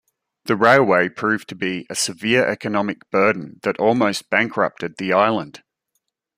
The railway proved to be a severe economic burden that almost bankrupted the island.